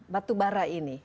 batu bara ini